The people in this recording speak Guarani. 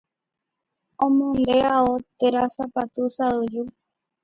Omonde ao térã sapatu sa'yju